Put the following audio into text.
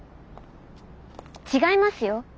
違いますよ。